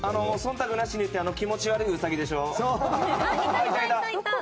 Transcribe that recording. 忖度なしにいって気持ち悪いウサギでしょ？